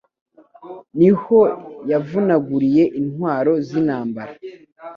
Ni ho yavunaguriye intwaro z’intambara